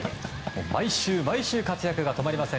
毎週活躍が止まりません